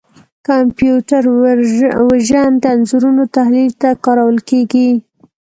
کمپیوټر وژن د انځورونو تحلیل ته کارول کېږي.